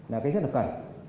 là cái rất là cẩn